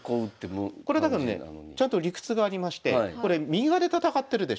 これだけどねちゃんと理屈がありましてこれ右側で戦ってるでしょ。